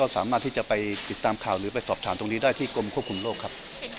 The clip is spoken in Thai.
สามารถที่จะไปติดตามข่าวหรือไปสอบถามตรงนี้ได้ที่กรมควบคุมโรคครับ